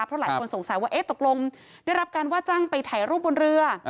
เพราะหลายคนสงสัยว่าตกลงได้รับการว่าจ้างไปถ่ายรูปบนเรือ